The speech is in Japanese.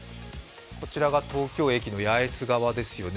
こちらが東京駅の八重洲側ですよね。